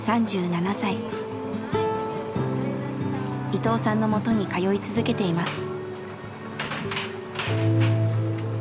伊藤さんのもとに通い続けています。